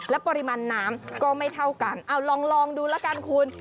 ปริมาณน้ำก็ไม่เท่ากันเอาลองดูแล้วกันคุณ